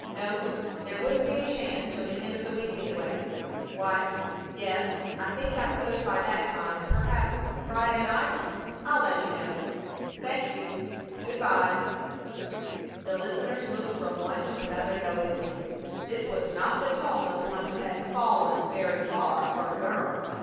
No, there wouldn't be a chance till the end of the week, anyway.... Why, yes, I think I could by that time, perhaps Friday night? I'll let you know.... Thank you. Good by!" The listeners looked from one to the other knowingly. This was not the tone of one who had "fallen" very far for a girl.